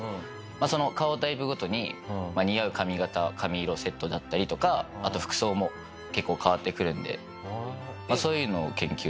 その顔タイプごとに似合う髪形髪色セットだったりとかあと服装も結構変わってくるのでそういうのを研究。